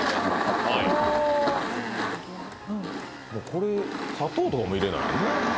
これ、砂糖とかも入れない。